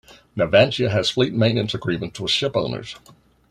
Navantia has Fleet Maintenance Agreements with ship-owners.